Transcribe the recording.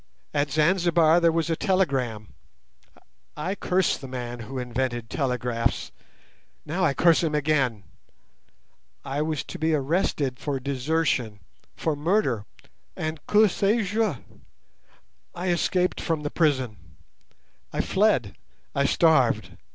At Zanzibar there was a telegram. I cursed the man who invented telegraphs. Now I curse him again. I was to be arrested for desertion, for murder, and que sais je? I escaped from the prison. I fled, I starved.